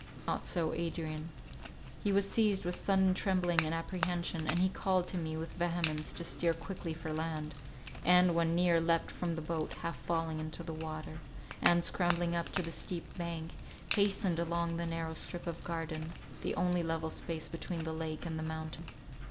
Not so Adrian. He was seized with sudden trembling and apprehension, and he called to me with vehemence to steer quickly for land, and, when near, leapt from the boat, half falling into the water; and, scrambling up the steep bank, hastened along the narrow strip of garden, the only level space between the lake and the mountain.